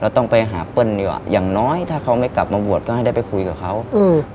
ต้องไปหาเปิ้ลดีกว่าอย่างน้อยถ้าเขาไม่กลับมาบวชก็ให้ได้ไปคุยกับเขาอืม